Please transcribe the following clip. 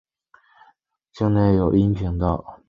境内有阴平道。